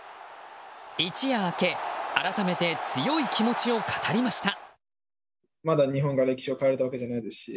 一夜明け改めて強い気持ちを語りました。